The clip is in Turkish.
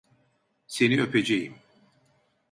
Seni öpeceğim.